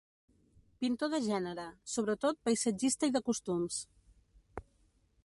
Pintor de gènere, sobretot paisatgista i de costums.